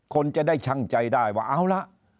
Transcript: คนจะได้ชั่งใจได้ว่าเอาละ